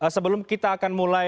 sebelum kita akan mulai